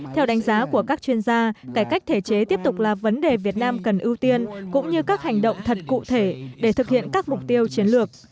theo đánh giá của các chuyên gia cải cách thể chế tiếp tục là vấn đề việt nam cần ưu tiên cũng như các hành động thật cụ thể để thực hiện các mục tiêu chiến lược